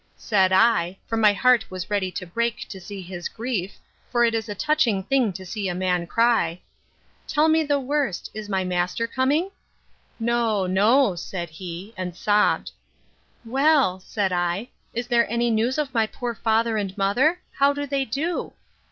Said I, (for my heart was ready to break to see his grief; for it is a touching thing to see a man cry), Tell me the worst! Is my master coming? No, no, said he, and sobbed.—Well, said I, is there any news of my poor father and mother? How do they do?